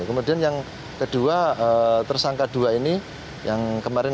kemudian yang kedua tersangka dua ini yang kemarin